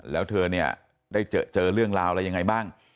แล้วเธอเนี่ยได้เจอเรื่องราวอะไรยังไงบ้าง